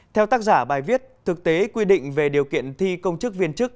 theo tác giả bài viết thực tế quy định về điều kiện thi công chức viên chức